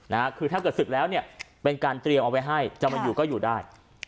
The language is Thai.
ถ้าเกิดศึกแล้วเป็นการเตรียมเอาไว้ให้จะมาอยู่ก็อยู่ได้